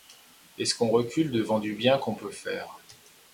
Est-ce qu’on recule devant du bien qu’on peut faire ?